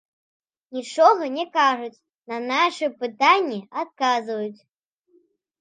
Нічога не кажуць, на нашы пытанні адказваюць.